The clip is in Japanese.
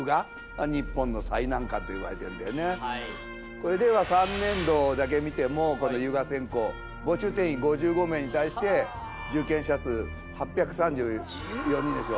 これ令和３年度だけ見てもこの油画専攻募集定員５５名に対して受験者数８３４人でしょ。